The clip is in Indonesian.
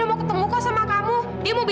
iya enggak dok